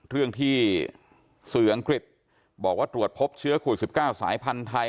เรื่องที่สื่ออังกฤษบอกว่าตรวจพบเชื้อโควิด๑๙สายพันธุ์ไทย